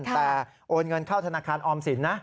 แต่โอนเงินเข้าธนาคารออมสินนะ